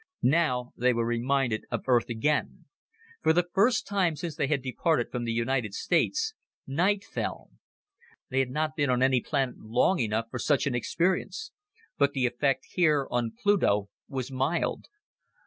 Now they were reminded of Earth again. For the first time since they had departed from the United States, night fell. They had not been on any other planet long enough for such an experience. But the effect here on Pluto was mild.